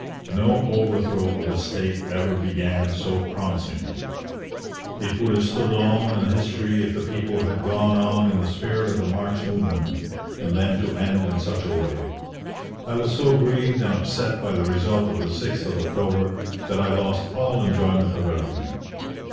No overthrow of a state ever began so promisingly. It would have stood alone in history if the people had gone on in the spirit of the March movement; and then to end in such a way! I was so grieved and upset by the result of the 6th of October, that I lost all enjoyment of everything.